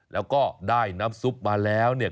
แล้วก็ได้น้ำซุปมาแล้วเนี่ย